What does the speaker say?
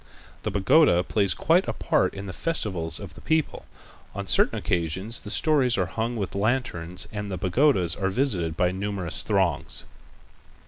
The pagoda plays quite a part in the festivals of the people. On certain occasions the stories are hung with lanterns and the pagodas are visited by numerous throngs.